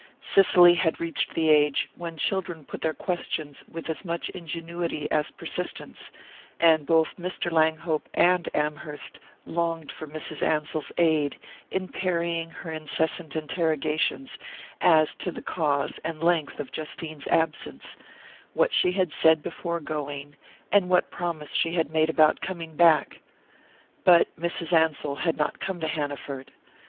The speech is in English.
Cicely had reached the age when children put their questions with as much ingenuity as persistence, and both Mr. Langhope and Amherst longed for Mrs. Ansell's aid in parrying her incessant interrogations as to the cause and length of Justine's absence, what she had said before going, and what promise she had made about coming back. But Mrs. Ansell had not come to Hanaford.